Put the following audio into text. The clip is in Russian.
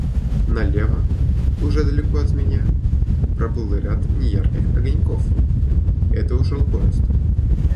Налево, уже далеко от меня, проплыл ряд неярких огоньков — это ушел поезд.